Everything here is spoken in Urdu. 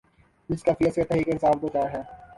جس کیفیت سے تحریک انصاف دوچار ہے۔